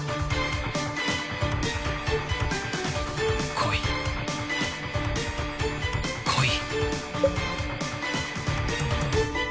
来い来い。